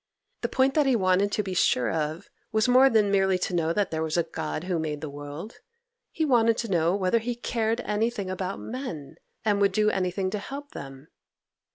The point that he wanted to be sure of was more than merely to know that there was a God who made the world; he wanted to know whether He cared anything about men, and would do anything to help them.